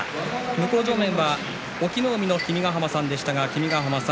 向正面は隠岐の海の君ヶ濱さんでした。